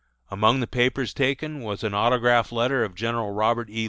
Among the papers taken was an autograph letter of General Robert E.